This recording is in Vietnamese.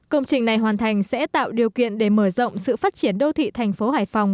công trình này hoàn thành sẽ tạo điều kiện để mở rộng sự phát triển đô thị thành phố hải phòng